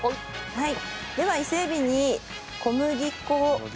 はい。